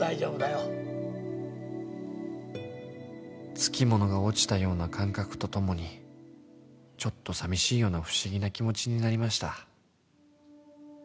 ［つき物が落ちたような感覚とともにちょっとさみしいような不思議な気持ちになりました］